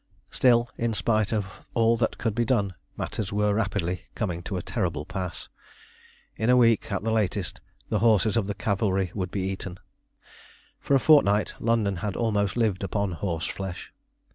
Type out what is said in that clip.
Still, in spite of all that could be done, matters were rapidly coming to a terrible pass. In a week, at the latest, the horses of the cavalry would be eaten. For a fortnight London had almost lived upon horse flesh.